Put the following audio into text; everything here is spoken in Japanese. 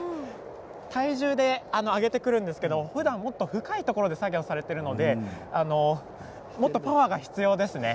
体重で上げてくるんですけどふだんはもっと深いところで作業されているのでもっとパワーが必要ですね。